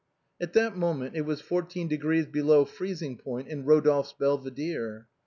At that moment it was fourteen degrees below freezing point in Kodolphe's belvidere.